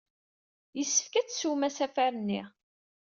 Yessefk ad teswem asafar-nni!